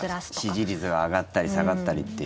支持率が上がったり下がったりっていう。